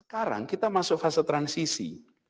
sekarang kita masuk fase transisi